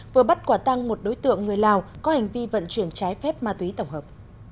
vừa bắt quả tăng một đối tượng người lào có hành vi vận chuyển trái phép ma túy tổng hợp